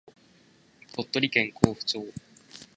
鳥取県江府町